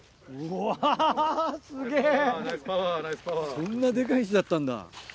そんなデカい石だったんだ。